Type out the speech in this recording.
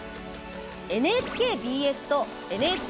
ＮＨＫＢＳとＮＨＫＢＳ